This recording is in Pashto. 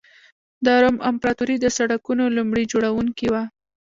د روم امپراتوري د سړکونو لومړي جوړوونکې وه.